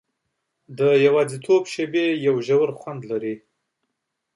د یوازیتوب شېبې یو ژور خوند لري.